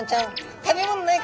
「食べ物ないか」。